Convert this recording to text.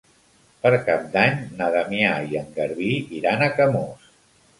Per Cap d'Any na Damià i en Garbí iran a Camós.